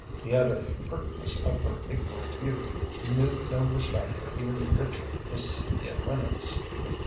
The utter pertness of her ignorant youth knew no respect for even the rich Miss Cynthia Lennox.